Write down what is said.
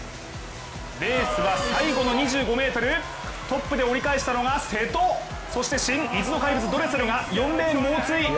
レースは最後の２５ｍトップで折り返したのが瀬戸、そして新・水の怪物、ドレセルが猛追。